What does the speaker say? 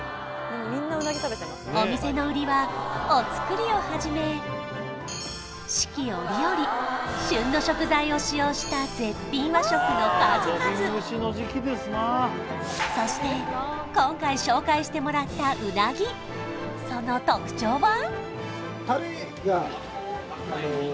お店の売りはお造りをはじめ四季折々旬の食材を使用した絶品和食の数々そして今回紹介してもらったうなぎその特徴は？